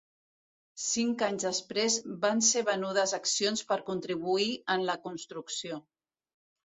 Cinc anys després van ser venudes accions per contribuir en la construcció.